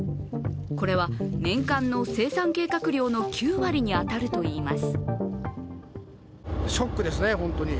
これは、年間の生産計画量の９割に当たるといわれます。